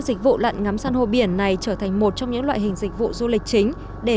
dịch vụ lặn ngắm san hô biển này trở thành một trong những loại hình dịch vụ du lịch chính để